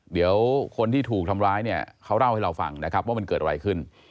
เดี๋ยวคนที่ถูกทำร้ายเนี่ยเขาเล่าให้เราฟังนะครับว่ามันเกิดอะไรขึ้น